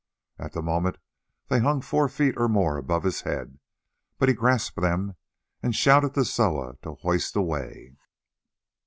At the moment they hung four feet or more above his head, but he grasped them and shouted to Soa to hoist away.